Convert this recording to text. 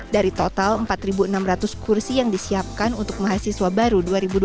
dari total empat enam ratus kursi yang disiapkan untuk mahasiswa baru dua ribu dua puluh tiga